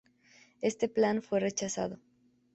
Este plan fue rechazado.